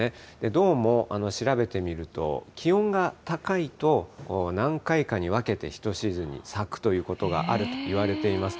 どうも調べてみると、気温が高いと、何回かに分けて１シーズンに咲くということがあるといわれています。